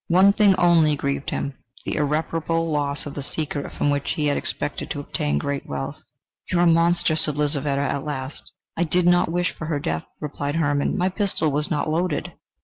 One thing only grieved him: the irreparable loss of the secret from which he had expected to obtain great wealth. "You are a monster!" said Lizaveta at last. "I did not wish for her death," replied Hermann: "my pistol was not loaded."